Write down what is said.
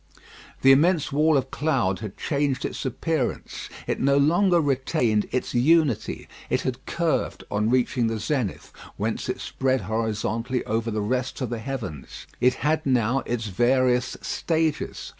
The immense wall of cloud had changed its appearance. It no longer retained its unity. It had curved on reaching the zenith, whence it spread horizontally over the rest of the heavens. It had now its various stages.